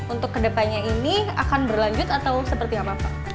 untuk kedepannya ini akan berlanjut atau seperti apa pak